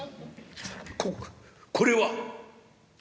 「ここれは」。